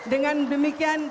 dengan demikian terima kasih